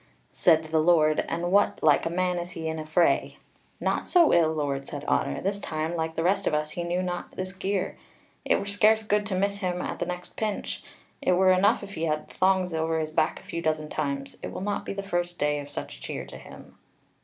Said the Lord: "And what like a man is he in a fray?" "Naught so ill, Lord," said Otter. "This time, like the rest of us, he knew not this gear. It were scarce good to miss him at the next pinch. It were enough if he had the thongs over his back a few dozen times; it will not be the first day of such cheer to him."